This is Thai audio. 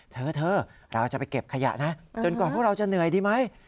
เธอเราจะไปเก็บขยะนะจนกว่าพวกเราจะเหนื่อยดีไหม